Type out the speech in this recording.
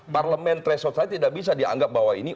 parlemen threshold saya tidak bisa dianggap bahwa ini